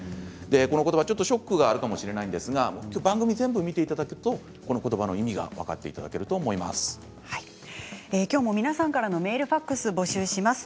この言葉、ちょっとショックがあるかもしれないですが番組を全部見ていただけるとその言葉の意味が分かって今日も皆さんからのメール、ファックスを募集します。